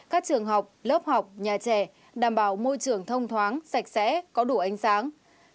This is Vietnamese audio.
các trường học lớp học nhà trẻ đảm bảo môi trường thông thoáng sạch sẽ có đủ ánh sáng